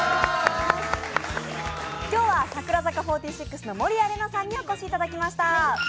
今日は櫻坂４６の守屋麗奈さんにお越しいただきました。